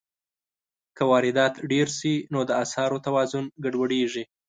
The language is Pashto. که واردات ډېر شي، نو د اسعارو توازن ګډوډېږي.